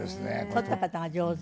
撮った方が上手。